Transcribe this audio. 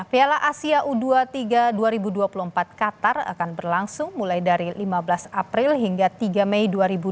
piala asia u dua puluh tiga dua ribu dua puluh empat qatar akan berlangsung mulai dari lima belas april hingga tiga mei dua ribu dua puluh